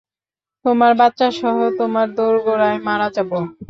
তোমার বাচ্চা সহ তোমার দোরগোড়ায় মারা যাবো।